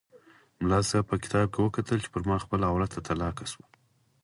ملا صاحب په کتاب کې وکتل چې پر ما خپله عورته طلاقه شوه.